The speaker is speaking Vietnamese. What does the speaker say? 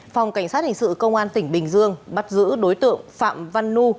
phòng cảnh sát hình sự công an tỉnh bình dương bắt giữ đối tượng phạm văn nu